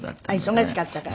忙しかったから。